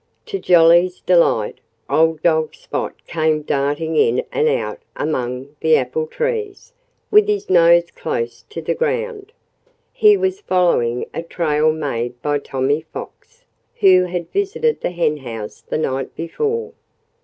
To Jolly's delight, old dog Spot came darting in and out among the apple trees, with his nose close to the ground. He was following a trail made by Tommy Fox, who had visited the henhouse the night before.